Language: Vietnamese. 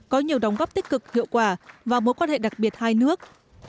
có nhiều đóng góp tích cực hiệu quả và mối quan hệ đặc biệt hai nước